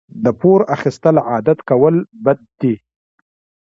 د پور اخیستل عادت کول بد دي.